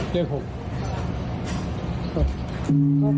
เลข๖